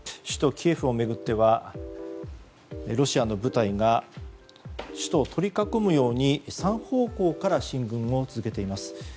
首都キエフを巡ってはロシアの部隊が首都を取り囲むように３方向から進軍を続けています。